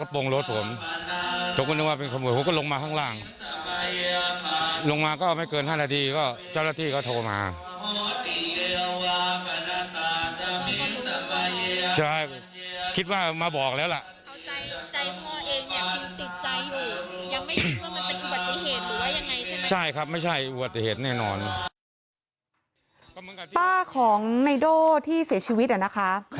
ป้าของในโด่ที่เสียชีวิตนะคะ